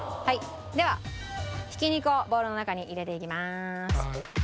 ではひき肉をボウルの中に入れていきます。